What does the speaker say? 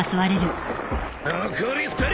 残り２人！